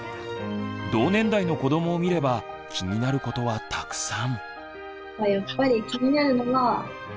同年代の子どもを見れば気になることはたくさん。